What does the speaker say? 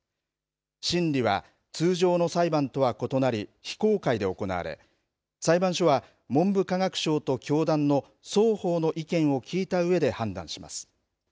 審理は通常の裁判とは異なり非公開で行われ裁判所は文部科学省と教団の双方の意見を聴いたうえで判断します。